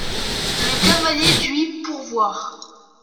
Le cavalier dut y pourvoir.